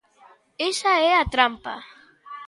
¡Esa é a trampa!